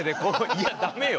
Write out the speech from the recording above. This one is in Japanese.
いやダメよ。